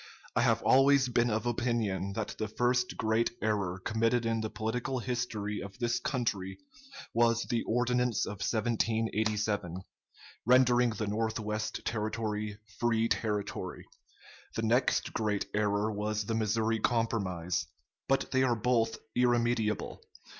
I have always been of opinion that the first great error committed in the political history of this country was the Ordinance of 1787, rendering the North west Territory free territory. The next great error was the Missouri Compromise. But they are both irremediable....